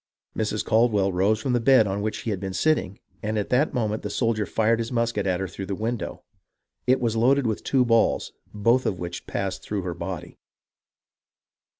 Mrs. Caldwell rose from the bed on which she had been sitting, and at that moment the soldier fired his musket at her through the window. It was loaded with two balls, both of which passed through her body.